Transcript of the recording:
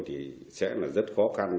thì sẽ rất khó khăn